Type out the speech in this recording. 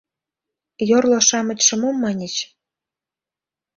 Йорло-шамычше мом маньыч?